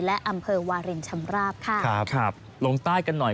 และอำเภอวาเรนชำราบค่ะ